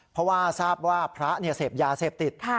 เพราะว่าทราบว่าพระเสพยาเสพติด